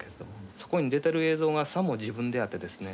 そこに出てる映像がさも自分であってですね